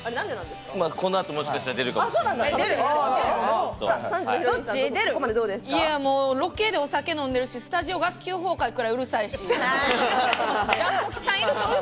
この後もしかしたら出るかもロケでお酒飲んでるし、スタジオが学級崩壊くらい、うるさいし。